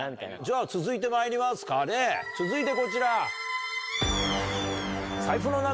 じゃ続いてまいりますかね続いてこちら。